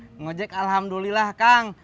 kang ojek alhamdulillah kang